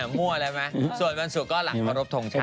มั่วอะไรไหมส่วนวันศุกร์ก็หลังขอรบทรงชาติ